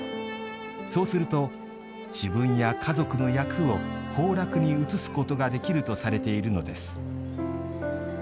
そうすると自分や家族の厄を炮烙に移すことができるとされているのです。